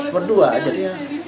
berdua saja dia